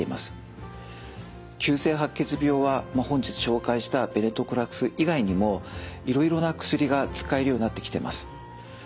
急性白血病は本日紹介したベネトクラクス以外にもいろいろな薬が使えるようになってきてます。